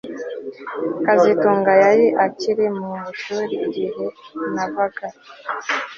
kazitunga yari akiri mu ishuri igihe navaga